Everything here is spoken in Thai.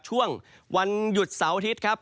ช่วงวันหยุดเสาร์อาทิตย์ครับ